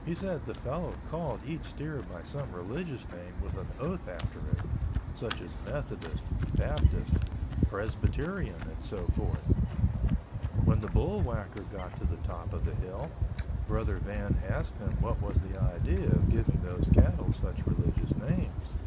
He said the fellow called each steer by some religious name with an oath after it, such as Methodist, Baptist, Presbyterian, and so forth. When the bull whacker got to the top of the hill, Brother Van asked him what was the idea of giving those cattle such religious names.